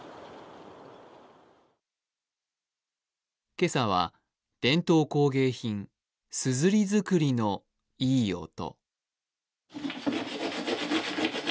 今朝は伝統工芸品、すずり作りのいい音。